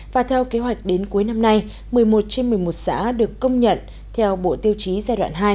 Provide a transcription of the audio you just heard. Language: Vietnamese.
và theo kế hoạch đến cuối năm nay một mươi một trên một mươi một xã được công nhận theo bộ tiêu chí giai đoạn hai